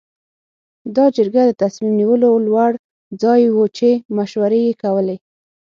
دا جرګه د تصمیم نیولو لوړ ځای و چې مشورې یې کولې.